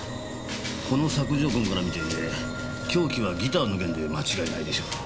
この索状痕から見て凶器はギターの弦で間違いないでしょう。